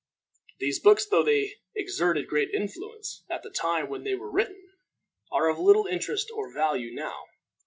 These books, though they exerted great influence at the time when they were written, are of little interest or value now.